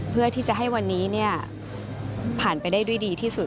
เพื่อที่จะให้วันนี้ผ่านไปได้ด้วยดีที่สุด